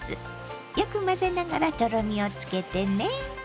よく混ぜながらとろみをつけてね。